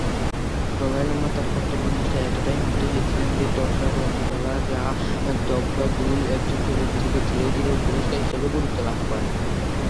Dalai Lama তার কর্তব্য নিষ্ঠায় এতটাই মুগ্ধ হয়েছিলেন, যে ত্শা-রোং-জ্লা-ব্জাং-দ্গ্রা'-'দুল একজন সেবক থেকে ধীরে ধীরে উপদেষ্টা হিসেবে গুরুত্ব লাভ করেন।